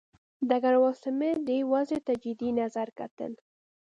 ډګروال سمیت دې وضع ته جدي نظر کتل.